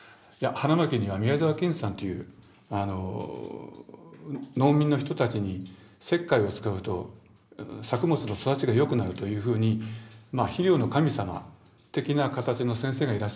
花巻には宮沢賢治さんという農民の人たちに石灰を使うと作物の育ちがよくなるというふうにまあ「肥料の神様」的なかたちの先生がいらっしゃると。